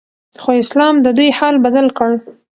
خو اسلام ددوی حال بدل کړ